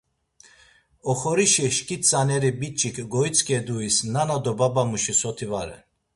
Oxorişi şkit tzaneri biç̌ik goitzǩeduis nana do babamuşi soti va ren.